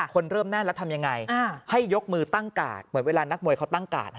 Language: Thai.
คนเริ่มแน่นแล้วทำยังไงให้ยกมือตั้งกาดเหมือนเวลานักมวยเขาตั้งกาด